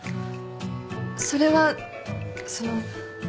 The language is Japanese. それはその。